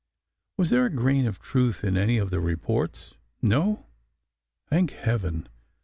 Was there a grain of truth in any of the reports? No? Thank heaven!